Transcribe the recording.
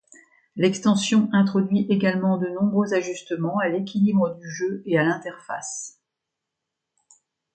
L’extension introduit également de nombreux ajustements à l’équilibre du jeu et à l’interface.